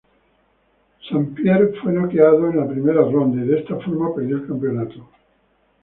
St-Pierre fue noqueado en la primera ronda y de esta forma perdió el campeonato.